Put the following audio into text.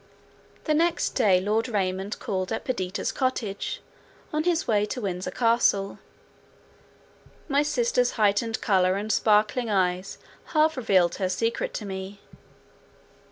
The next day Lord Raymond called at Perdita's cottage, on his way to Windsor Castle. My sister's heightened colour and sparkling eyes half revealed her secret to me.